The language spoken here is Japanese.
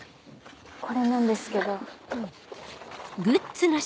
これなんですけど。